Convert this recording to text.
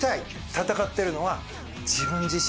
闘っているのは自分自身。